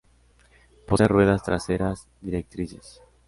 Posee ruedas traseras directrices.